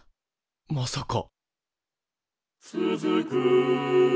まさか。